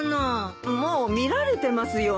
もう見られてますよ。